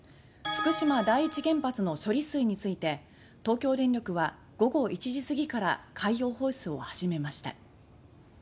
福島第一原発の処理水について東京電力は午後１時過ぎから海洋放出を始めました。